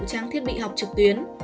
trang thiết bị học trực tuyến